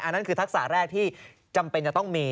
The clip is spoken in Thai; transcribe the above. นั่นคือทักษะแรกที่จำเป็นจะต้องมี